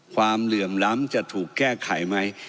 เหลื่อมล้ำจะถูกแก้ไขไหม